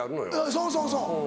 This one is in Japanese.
そうそうそう。